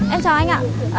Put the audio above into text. em chào anh ạ